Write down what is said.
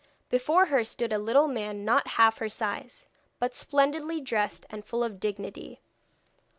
Before her stood a little man not half her size, but splendidly dressed and full of dignity.